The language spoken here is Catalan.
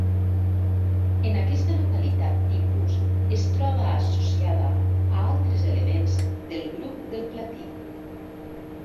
En aquesta localitat tipus es troba associada a altres elements del grup del platí.